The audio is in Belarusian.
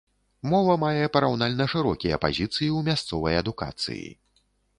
Мова мае параўнальна шырокія пазіцыі ў мясцовай адукацыі.